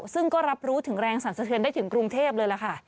ซึ่งก็รับรู้ถึงแรงสรรสะเทือนได้ถึงกรุงเทพเลยล่ะค่ะ